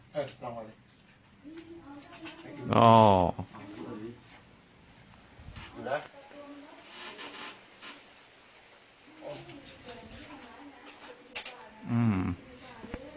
อยู่แล้ว